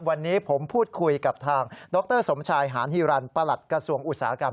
วันนี้ผมพูดคุยกับทางดรสมชายหานฮีรันประหลัดกระทรวงอุตสาหกรรม